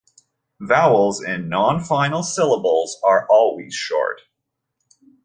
Vowels in non-final syllables are always short.